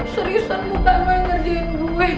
seriusan muka lo yang ngerjain gue